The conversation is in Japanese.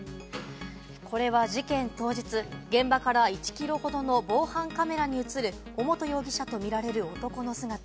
これは事件当日、現場から１キロほどの防犯カメラに映る尾本容疑者とみられる男の姿。